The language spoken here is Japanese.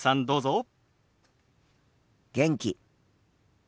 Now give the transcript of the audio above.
どうぞ。